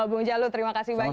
bung jalu terima kasih banyak